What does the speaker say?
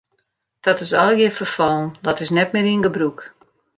Dat is allegear ferfallen, dat is net mear yn gebrûk.